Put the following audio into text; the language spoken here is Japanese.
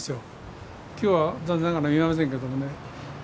今日は残念ながら見えませんけどもね。